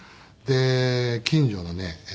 で近所のね